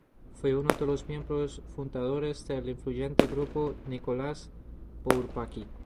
Fue uno de los miembros fundadores del influyente grupo "Nicolás Bourbaki".